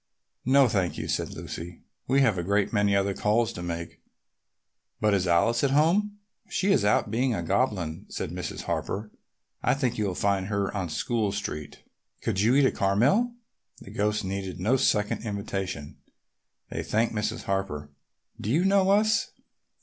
"No, thank you," said Lucy. "We have a great many other calls to make. But is Alice at home?" "She is out being a goblin," said Mrs. Harper. "I think you will find her on School Street. Could you each eat a caramel?" The ghosts needed no second invitation. They thanked Mrs. Harper. "Do you know us?"